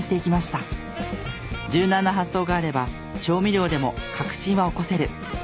柔軟な発想があれば調味料でも革新は起こせる。